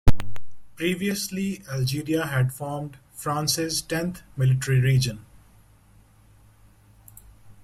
Previously Algeria had formed France's tenth military region.